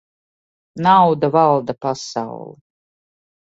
Nauda valda pasauli.